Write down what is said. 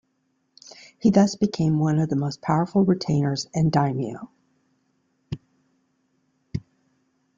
He thus became one of the most powerful retainers and daimyo.